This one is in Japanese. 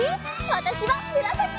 わたしはむらさき！